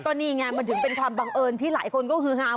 ตอนนี้งานมาถึงเป็นความบังเอิญที่หลายคนก็ฮือฮา